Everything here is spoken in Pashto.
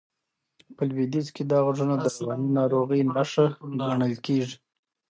په لوېدیځ کې دا غږونه د رواني ناروغۍ نښه ګڼل کېږي.